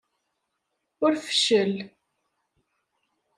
Ur feccel!